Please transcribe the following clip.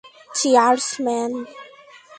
Cheers, man.